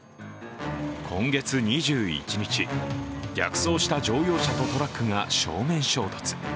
今月２１日、逆走した乗用車とトラックが正面衝突。